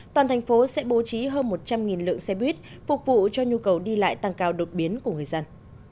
toàn thành phố sẽ bố trí hơn một trăm linh lượng xe buýt phục vụ cho nhu cầu đi lại tăng cao đột biến của người dân